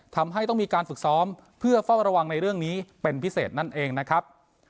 ทำให้ต้องมีการฝึกซ้อมเพื่อเฝ้าระวังในเรื่องนี้เป็นพิเศษนั่นเองนะครับ